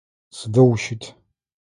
Сыдэу ущыт?